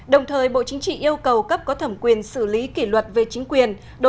đồng thời bộ chính trị yêu cầu cấp có thẩm quyền xử lý kỷ luật về chính quyền